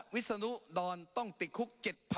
วิศนุดรต้องติดคุก